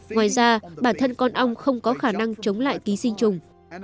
ngoài ra bản thân con ong không có khả năng chống lại ký sinh trùng